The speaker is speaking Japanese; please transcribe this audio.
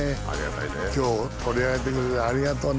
今日取り上げてくれてありがとうね。